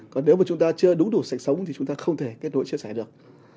còn nếu mà chúng ta chưa đúng đủ sạch sống thì chúng ta không thể kết nối chia sẻ được